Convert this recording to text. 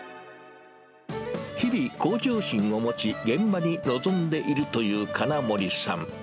日々、向上心を持ち、現場に臨んでいるという金森さん。